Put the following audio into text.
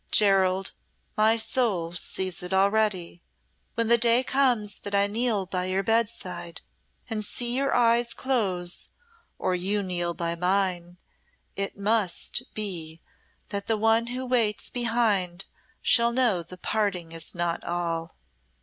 Gerald, my soul sees it already when the day comes that I kneel by your bedside and see your eyes close, or you kneel by mine, it must be that the one who waits behind shall know the parting is not all."